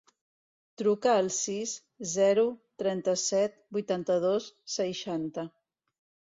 Truca al sis, zero, trenta-set, vuitanta-dos, seixanta.